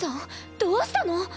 どうしたの！